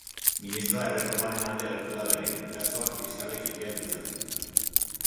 Ministroa erreformaren alde agertu da berriro, kasuak fiskalek iker ditzaten.